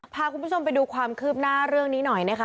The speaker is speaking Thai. พาคุณผู้ชมไปดูความคืบหน้าเรื่องนี้หน่อยนะคะ